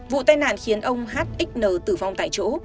vụ tai nạn khiến ông hxn tử vong tại chỗ